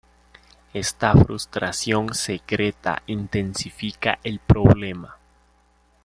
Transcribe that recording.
Esta frustración secreta intensifica el problema.